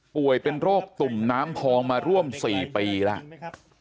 ป่วยเป็นโรคตุ่มน้ำพองมาร่วม๔ปีแล้ว